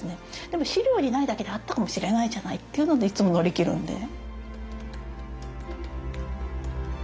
でも資料にないだけであったかもしれないじゃない？っていうのでいつも乗り切るんで。